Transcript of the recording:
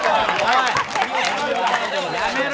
やめろ。